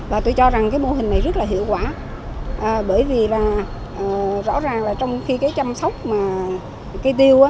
và tôi cho rằng cái mô hình này rất là hiệu quả bởi vì là rõ ràng là trong khi cái chăm sóc mà cây tiêu